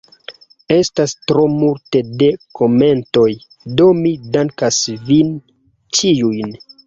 Estas tro multe de komentoj, do mi dankas vin ĉiujn.